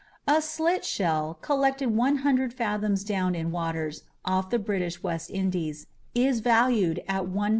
A Slit Shell collected 100 fathoms down in waters off the British West Indies is valued at $1000.